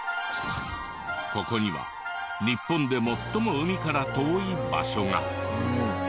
ここには日本で最も海から遠い場所が。